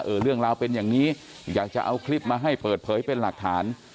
เรื่องราวเป็นอย่างนี้อยากจะเอาคลิปมาให้เปิดเผยเป็นหลักฐาน